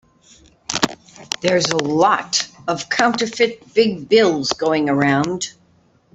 There's a lot of counterfeit big bills going around.